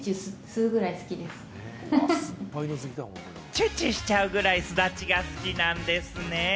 チューチューしちゃうくらい、すだちが好きなんですね！